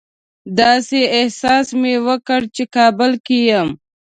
داسې احساس مې وکړ چې کابل کې یم.